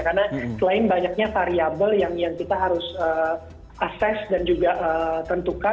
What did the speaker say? karena selain banyaknya variable yang kita harus akses dan juga menggunakan